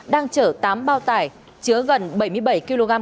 đang chở tám bao tải chứa gần bảy mươi bảy kg